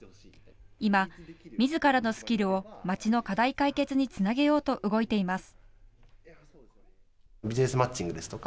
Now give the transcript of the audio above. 今、みずからのスキルを町の課題解決につなげようと動いています。